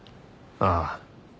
ああ。